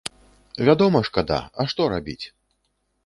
Вядома, шкада, а што рабіць?